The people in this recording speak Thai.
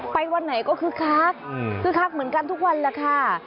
วันไหนก็คึกคักคึกคักเหมือนกันทุกวันแหละค่ะ